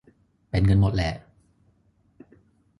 เป็นกันหมดแหละ